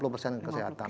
lima puluh persen kesehatan